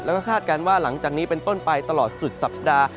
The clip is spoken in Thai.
แล้วก็คาดการณ์ว่าหลังจากนี้เป็นต้นไปตลอดสุดสัปดาห์